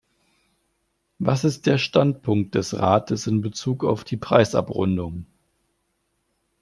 Was ist der Standpunkt des Rates in Bezug auf die Preisabrundung?